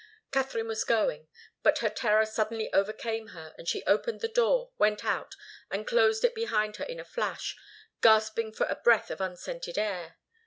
Katharine was going, but her terror suddenly overcame her, and she opened the door, went out, and closed it behind her in a flash, gasping for a breath of unscented air.